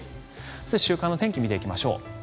そして、週間の天気を見ていきましょう。